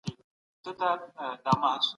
ښځې ته د واده کولو اجازه نه ورکول کېده.